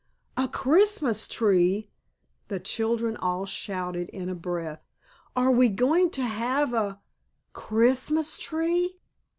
"A Christmas tree?" the children all shouted in a breath. "Are we going to have a _Christmas tree?